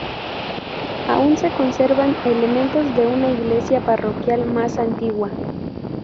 Aún se conservan elementos de una iglesia parroquial más antigua.